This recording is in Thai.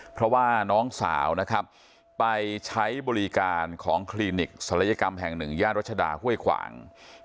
เพราะว่าน้องสาวนะครับไปใช้บริการของคลินิกศัลยกรรมแห่งหนึ่งย่านรัชดาห้วยขวาง